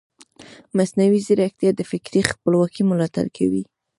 مصنوعي ځیرکتیا د فکري خپلواکۍ ملاتړ کوي.